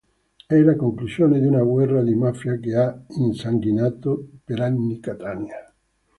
È la conclusione di una guerra di mafia che ha insanguinato per anni Catania.